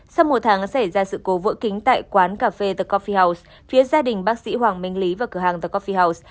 sau một tháng xảy ra sự cố vỡ kính tại quán cà phê the cophiealth phía gia đình bác sĩ hoàng minh lý và cửa hàng the coffi house